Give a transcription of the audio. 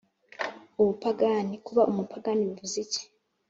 ubupagani/ kuba umupagani bivuze iki?